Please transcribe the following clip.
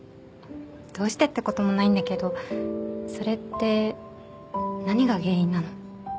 どうしてってこともないんだけどそれって何が原因なの？